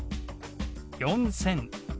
４０００。